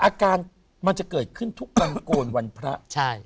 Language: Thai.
อาการมันจะเกิดขึ้นทุกวันโกนวันพระใช่